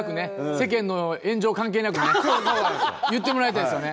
世間の炎上関係なくね、言ってもらいたいですよね。